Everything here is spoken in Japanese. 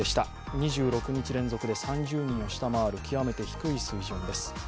２６日連続で３０人を下回る極めて低い水準です。